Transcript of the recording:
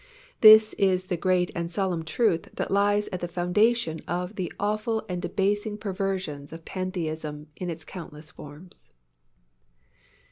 This is the great and solemn truth that lies at the foundation of the awful and debasing perversions of Pantheism in its countless forms.